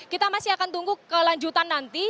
kita masih akan tunggu kelanjutan nanti